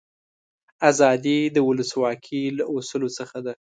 آزادي د ولسواکي له اصولو څخه ده.